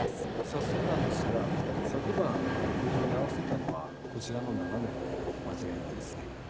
早速なんですが昨晩学校に居合わせたのはこちらの７名で間違いないですね？